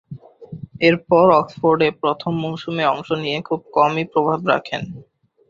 এরপর অক্সফোর্ডে প্রথম মৌসুমে অংশ নিয়ে খুব কমই প্রভাব রাখেন।